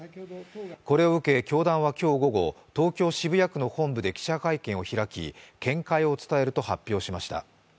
これを受け、教団は今日午後、東京・渋谷区の本部で記者会見を開き、見解を伝えると発表しました。